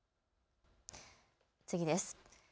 次です。